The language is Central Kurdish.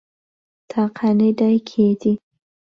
تاقانەی دایکیەتی